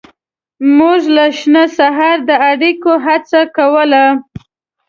موږ له شنه سهاره د اړیکې هڅه کوله.